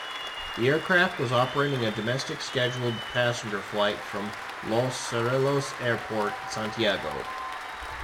The aircraft was operating a domestic scheduled passenger flight from Los Cerrillos Airport, Santiago.